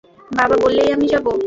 বাবা বললেই আমি যাব।